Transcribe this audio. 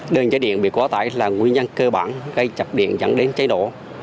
đơn cháy điện bị quá tải là nguyên nhân cơ bản gây chập điện dẫn đến cháy nổ